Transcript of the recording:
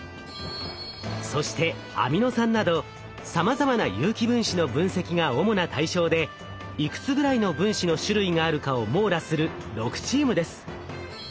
そしてアミノ酸などさまざまな有機分子の分析が主な対象でいくつぐらいの分子の種類があるかを網羅する６チームです。